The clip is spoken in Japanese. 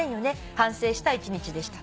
「反省した一日でした」